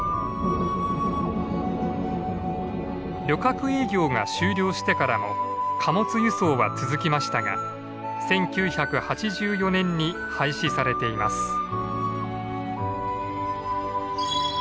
旅客営業が終了してからも貨物輸送は続きましたが１９８４年に廃止されています。